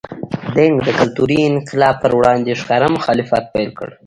دینګ د کلتوري انقلاب پر وړاندې ښکاره مخالفت پیل کړ.